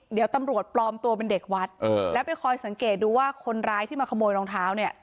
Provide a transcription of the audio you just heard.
เดี๋ยวตำรวจปลอมตัวเป็นเด็กวัดแล้วไปคอยสังเกตดูว่าคนร้ายที่มาขโมยรองเท้าเนี่ย